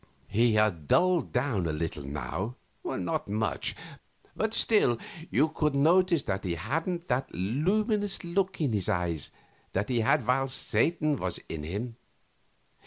He had dulled down a little now; not much, but still you could notice that he hadn't that luminous look in his eyes that he had while Satan was in him.